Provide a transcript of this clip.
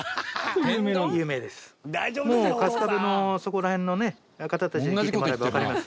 春日部のそこら辺のね方たちに聞いてもらえばわかります。